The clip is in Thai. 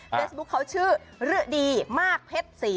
เฟซบุ๊คเขาชื่อฤดีมากเพชรศรี